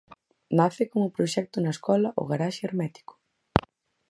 Nace como proxecto na escola O Garaxe Hermético.